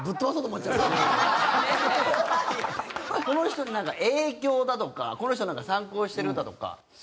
この人になんか影響だとかこの人を参考にしてるだとか。